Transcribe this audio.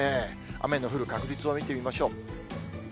雨の降る確率を見てみましょう。